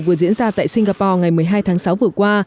vừa diễn ra tại singapore ngày một mươi hai tháng sáu vừa qua